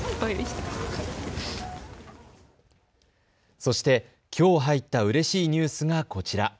そして、きょう入ったうれしいニュースがこちら。